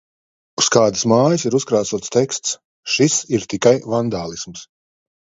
Uz kādas mājas ir uzkrāsots teksts "šis ir tikai vandālisms".